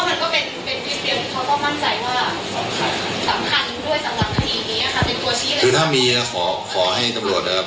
กันนี่ก็ให้ภาพสวนไปเรียกว่าสอบประคับในประเด็นอิทธินครับ